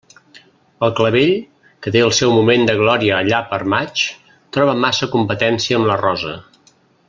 El clavell, que té el seu moment de glòria allà per maig, troba massa competència amb la rosa.